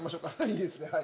いいですねはい。